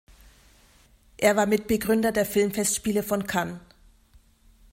Er war Mitbegründer der Filmfestspiele von Cannes.